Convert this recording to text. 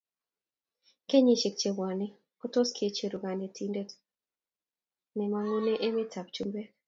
Kenyisiek che bwone ko tos kechoru kandindet ne magune emet ab chumbek